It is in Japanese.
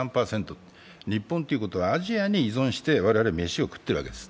日本ということはアジアに依存して我々、飯を食ってるわけです。